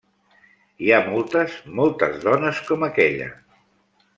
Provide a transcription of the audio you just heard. I hi ha moltes, moltes dones com aquella.